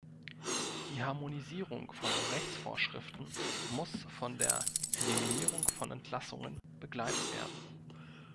Die Harmonisierung von Rechtsvorschriften muss von der Eliminierung von Entlassungen begleitet werden.